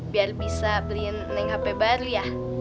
biar bisa beliin neng hp baru ya